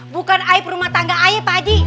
bukan air perumah tangga air pak haji